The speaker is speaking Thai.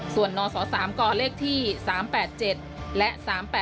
ส่วนนศ๓กเลขที่๓๘๗และ๓๘